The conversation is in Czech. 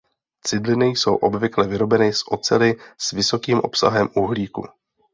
Cidliny jsou obvykle vyrobeny z oceli s vysokým obsahem uhlíku.